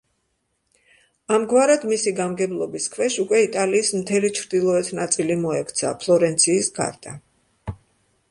ამგვარად, მისი გამგებლობის ქვეშ უკვე იტალიის მთელი ჩრდილოეთ ნაწილი მოექცა, ფლორენციის გარდა.